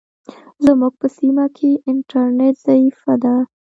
زموږ په سیمه کې انټرنیټ ضعیفه ده.